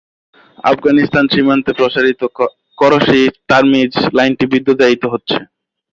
আফগানিস্তানে সীমান্তে প্রসারিত করশি-টার্মিজ লাইনটি বিদ্যুতায়িত হচ্ছে।